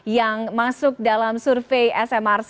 yang masuk dalam survei smrc